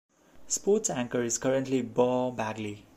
Sports anchor is currently Beau Bagley.